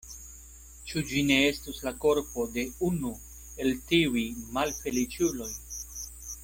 Ĉu ĝi ne estus la korpo de unu el tiuj malfeliĉuloj?